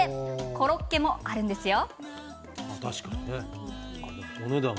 コロッケもあるんですよ。